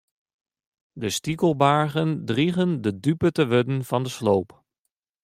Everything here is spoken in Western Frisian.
De stikelbargen drigen de dupe te wurden fan de sloop.